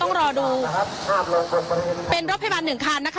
ต้องรอดูเป็นรถพยาบาลหนึ่งคาศ์นะคะ